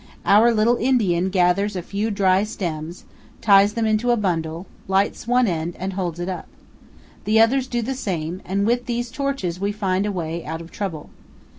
Our little Indian gathers a few dry stems, ties them into a bundle, lights one end, and holds it up. The others do the same, and with these torches we find a way out of trouble.